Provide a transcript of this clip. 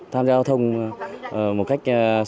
tham gia giao thông một cách nhanh nhất